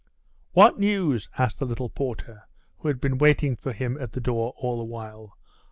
'What news?' asked the little porter, who had been waiting for him at the door all the while.